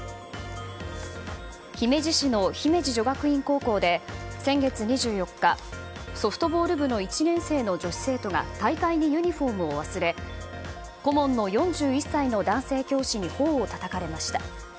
姫路市の姫路女学院高校で先月２４日、ソフトボール部の１年生の女子生徒が大会にユニホームを忘れ顧問の４１歳の男性教師に頬をたたかれました。